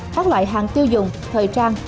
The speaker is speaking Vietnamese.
các loại hàng tiêu dùng thời trang